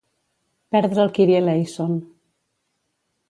Perdre el kirieleison.